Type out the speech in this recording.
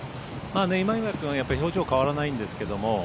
今平君は表情変わらないんですけど